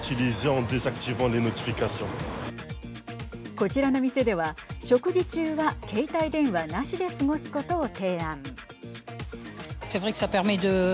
こちらの店では食事中は携帯電話なしで過ごすことを提案。